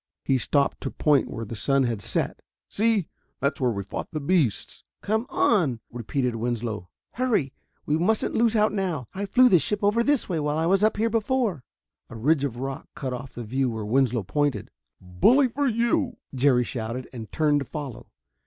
He stopped to point where the sun had set. "See, that's where we fought the beasts " "Come on!" repeated Winslow. "Hurry! We mustn't lose out now. I flew the ship over this way while I was up here before." A ridge of rock cut off the view where Winslow pointed. "Bully for you!" Jerry shouted and turned to follow.